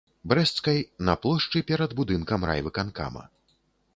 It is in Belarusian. Брэсцкай, на плошчы перад будынкам райвыканкама.